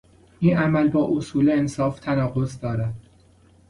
این عمل با اصول انصاف تناقض دارد.